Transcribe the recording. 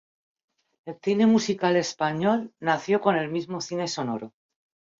El cine musical español nació con el mismo cine sonoro.